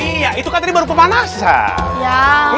iya itu kan tadi baru pemanasan